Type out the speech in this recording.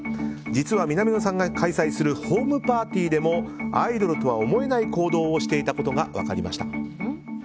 実は南野さんが開催するホームパーティーでもアイドルとは思えない行動をしていたことが分かりました。